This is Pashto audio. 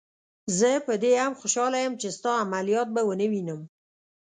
زه په دې هم خوشحاله یم چې ستا عملیات به ونه وینم.